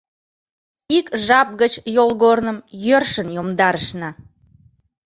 Ик жап гыч йолгорным йӧршын йомдарышна.